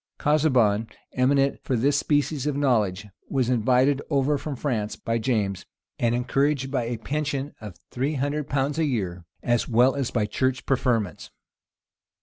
Casaubon, eminent for this species of knowledge, was invited over from France by James, and encouraged by a pension of three hundred pounds a year, as well as by church preferments.